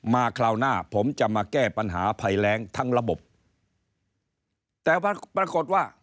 คราวหน้าผมจะมาแก้ปัญหาภัยแรงทั้งระบบแต่ปรากฏว่า